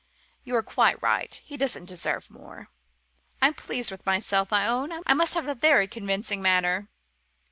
You're quite right he doesn't deserve more! I am pleased with myself, I own. I must have a very convincing manner."